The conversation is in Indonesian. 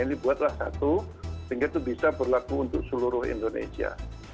ini buatlah satu sehingga itu bisa berlaku untuk seluruh indonesia